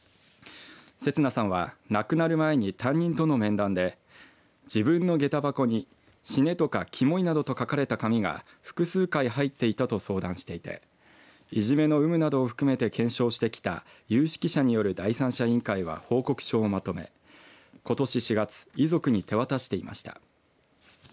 準奈さんは亡くなる前に担任との面談で自分のげた箱に死ねとか、きもいなどと書かれた紙が複数回入っていたと相談していていじめの有無などを含めて検証してきた有識者による第三者委員会は報告書をまとめ、ことし４月遺族に手渡していました。